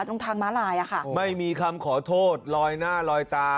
ตรงทางม้าลายอ่ะค่ะไม่มีคำขอโทษลอยหน้าลอยตา